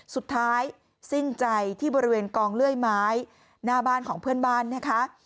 สุดท้ายสิ้นใจที่บริเวณกองเลื่อยไม้หน้าบ้านของเพื่อนบ้านนะคะ